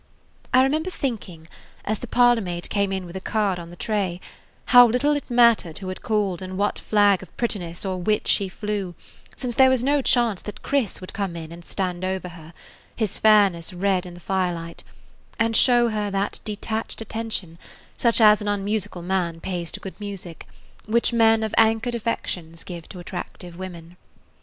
I remember thinking, as the parlor maid came in with a card on the tray, how little it mattered who had called and what flag of prettiness or wit she flew, since there was no chance that Chris would come in and stand over her, his fairness red in the firelight, and show her that detached attention, such as an unmusical man pays to good music, which men of anchored affections give to attractive women.